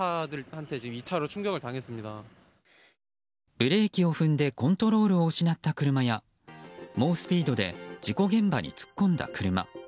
ブレーキを踏んでコントロールを失った車や猛スピードで事故現場に突っ込んだ車。